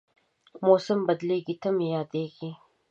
موسم بدلېږي، ته مې یادېږې